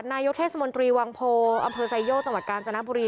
นายกเทศมนตรีวังโพอมเตอร์ไซโยจังหวัดกาลจานวรี